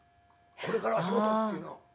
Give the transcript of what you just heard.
これからは仕事っていうの。